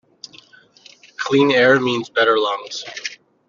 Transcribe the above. Clean air, means better lungs.